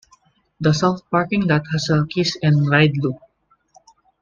The south parking lot has a kiss and ride loop.